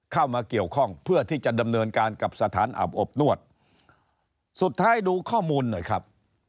เข้ามาเกี่ยวข้องเพื่อที่จะดำเนินการกับสถานอาบอบนวดสุดท้ายดูข้อมูลหน่อยครับ